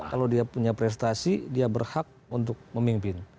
kalau dia punya prestasi dia berhak untuk memimpin